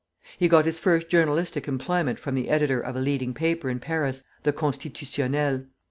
He got his first journalistic employment from the editor of a leading paper in Paris, the "Constitutionnel."